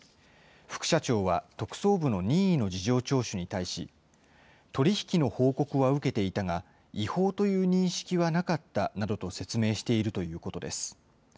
副社長は特捜部の任意の事情聴取に対し、取り引きの報告は受けていたが、違法という認識はなかったなどと説明しているということです。